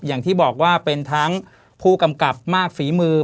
อย่างที่บอกว่าเป็นทั้งผู้กำกับมากฝีมือ